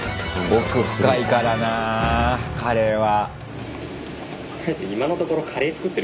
奥深いからなカレーは。